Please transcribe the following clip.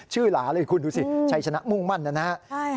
ชื่อหลาเลยคุณดูสิชัยชนะมุ่งมั่นนะครับ